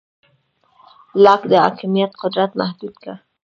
لاک د حاکمیت قدرت محدود کړ.